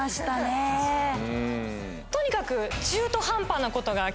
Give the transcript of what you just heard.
とにかく。